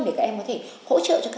để các em có thể hỗ trợ cho các